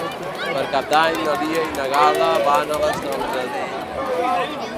Per Cap d'Any na Lia i na Gal·la van a la Salzadella.